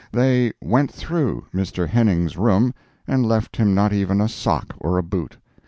They "went through" Mr. Henning's room, and left him not even a sock or a boot.